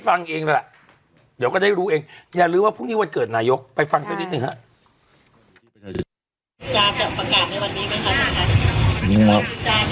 วันนี้ท่าจะเอาเพลงด้วยนะครับ